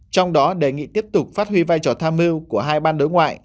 trong đó đề nghị tiếp tục phát huy vai trò tham mưu của hai ban đối ngoại